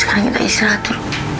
sekarang udah istirahat bu